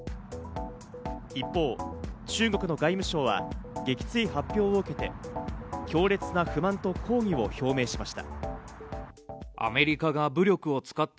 一方、中国の外務省は撃墜発表を受けて、強烈な不満と抗議を表明しました。